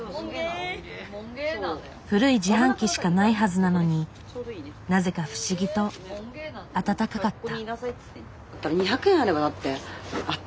古い自販機しかないはずなのになぜか不思議と温かかった。